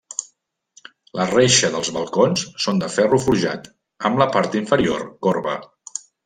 La reixa dels balcons són de ferro forjat amb la part inferior corba.